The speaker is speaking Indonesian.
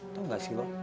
tau gak sih lo